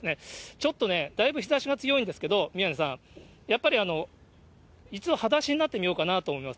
ちょっとね、だいぶ日ざしが強いんですけど、宮根さん、やっぱり一度、はだしになってみようかなと思います。